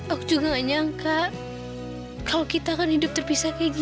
aku juga gak nyangka kalau kita kan hidup terpisah kayak gini